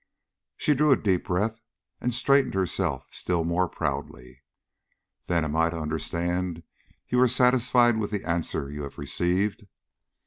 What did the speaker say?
She drew a deep breath, and straightened herself still more proudly. "Then am I to understand you are satisfied with the answer you have received?"